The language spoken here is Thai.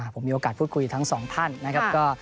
ผมมีโอกาสพูดคุยทั้งสองท่านนะครับ